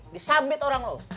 disambit orang lo